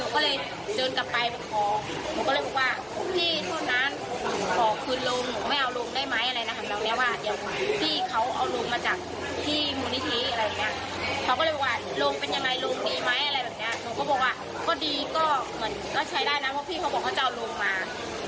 ก็ดีก็เหมือนก็ใช้ได้นะเพราะพี่เขาบอกว่าเขาจะเอาลงมา